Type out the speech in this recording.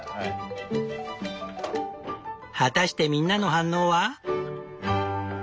果たしてみんなの反応は？